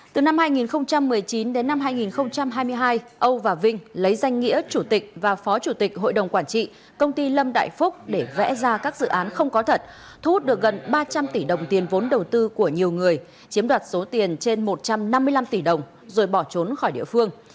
từ năm hai nghìn một mươi chín đến năm hai nghìn hai mươi hai âu và vinh lấy danh nghĩa chủ tịch và phó chủ tịch hội đồng quản trị công ty lâm đại phúc để vẽ ra các dự án không có thật thu hút được gần ba trăm linh tỷ đồng tiền vốn đầu tư của nhiều người chiếm đoạt số tiền trên một trăm năm mươi năm tỷ đồng rồi bỏ trốn khỏi địa phương